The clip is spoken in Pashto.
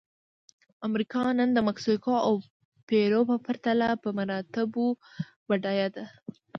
امریکا نن د مکسیکو او پیرو په پرتله په مراتبو بډایه ده.